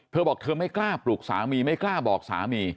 เธอบอกเธอไม่กล้าปลุกสามีไม่กล้าบอกสามี